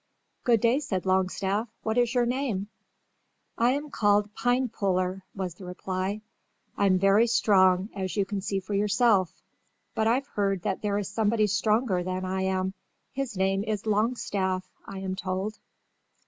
"Good day," said Longstaff. "What is your name?" "I am called PINEPULLER," was the reply. "I'm very strong, as you can see for yourself, but I've heard that there is somebody stronger than I am. His name is LONGSTAFF, I am told."